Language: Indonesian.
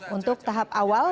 untuk tahap awal